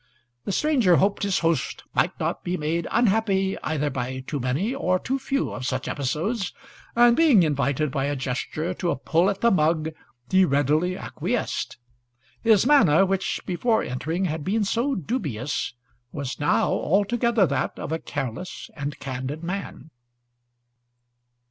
The stranger hoped his host might not be made unhappy either by too many or too few of such episodes, and, being invited by a gesture to a pull at the mug, he readily acquiesced. His manner, which before entering had been so dubious, was now altogether that of a careless and candid man.